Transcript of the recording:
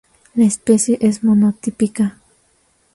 La especie es monotípica.